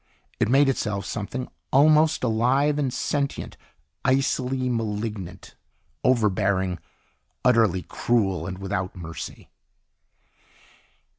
It made itself something almost alive and sentient, icily malignant, overbearing, utterly cruel and without mercy.